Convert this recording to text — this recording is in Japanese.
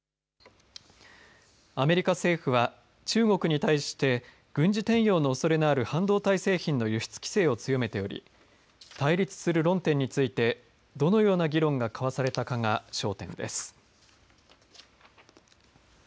アメリカ政府は中国に対して軍事転用のおそれのある半導体製品の輸出規制を強めており対立する論点についてどのような議論が交わされたかが焦点です。